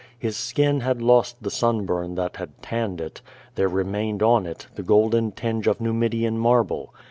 His skin had lost the sun bum that had tanned it. There remained on it the golden tinge of Xumidian marble.